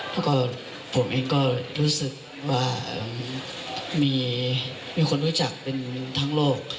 แล้วก็ผมเองก็รู้สึกว่ามีคนรู้จักเป็นทั้งโลก